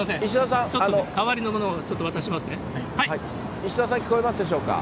石澤さん、聞こえますでしょうか？